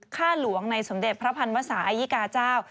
ฆ่าหลวงในสมเด็จพระพันวศาอายิกาเจ้า